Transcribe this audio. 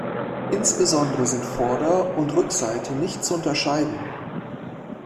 Insbesondere sind Vorder- und Rückseite nicht zu unterscheiden.